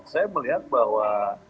saya melihat bahwa